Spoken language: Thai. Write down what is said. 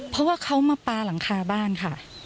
เพราะว่าเขามาปลาหลังคาบ้านค่ะ